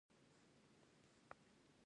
د ټرانزیشنل سیل سرطان د مثانې دی.